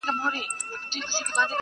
« موړ د وږي له احواله څه خبر دی-